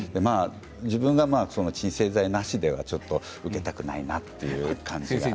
自分が鎮静剤なしではちょっと受けたくないなという感じです。